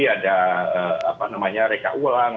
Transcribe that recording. ada apa namanya reka ulang